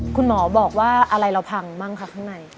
คุณหมอบอกว่าอะไรเราพังบ้างคะข้างใน